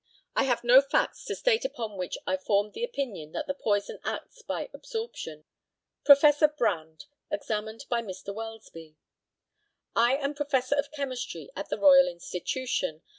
I have no facts to state upon which I formed the opinion that the poison acts by absorption. Professor BRANDE, examined by Mr. WELSBY: I am Professor of Chemistry at the Royal Institution.